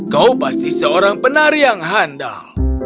kau pasti seorang penari yang handal